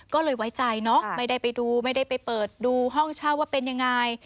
ก็เลยไว้ใจเนอะไม่ได้ไปดูไม่ได้ไปเปิดดูห้องเช่าว่าเป็นยังไง